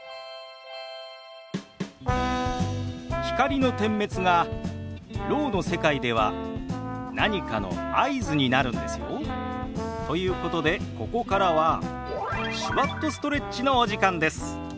光の点滅がろうの世界では何かの合図になるんですよ。ということでここからは「手話っとストレッチ」のお時間です。